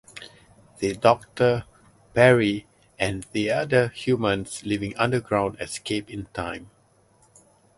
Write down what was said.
The Doctor, Peri, and the other humans living underground escape in time.